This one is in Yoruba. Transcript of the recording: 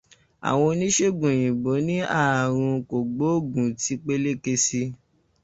Àwọn oníṣègùn òyìnbó ni àrùn kògbóògùn ti peléke si.